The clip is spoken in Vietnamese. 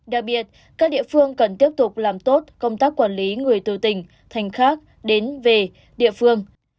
đặc biệt các địa phương cần tiếp tục làm tốt công tác quản lý người từ tỉnh thành khác đến về địa phương